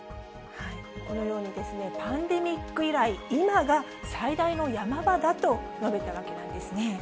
このようにですね、パンデミック以来、今が最大のヤマ場だと述べたわけなんですね。